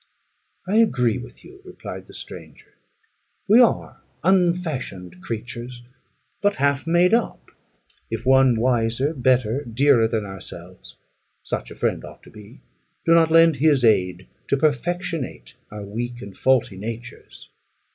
"I agree with you," replied the stranger; "we are unfashioned creatures, but half made up, if one wiser, better, dearer than ourselves such a friend ought to be do not lend his aid to perfectionate our weak and faulty natures.